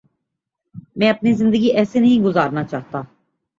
میں اپنی زندگی ایسے نہیں گزارنا چاہتا۔